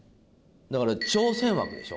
だから挑戦枠でしょ。